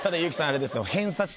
あれですよ